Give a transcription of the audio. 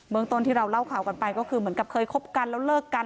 เมืองต้นที่เราเล่าข่าวกันไปก็คือเหมือนกับเคยคบกันแล้วเลิกกัน